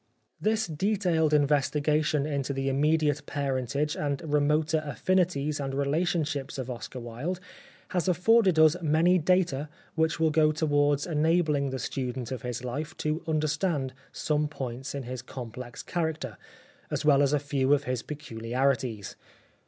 This detailed investigation into the immediate parentage and remoter afamties and relation ships of Oscar Wilde has afforded us many data which will go towards enabling the student of his life to understand some points in his complex character as well as a few of his pecuharities.